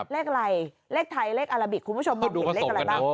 เลขอะไรเลขไทยเลขอาราบิกคุณผู้ชมมองเห็นเลขอะไรบ้าง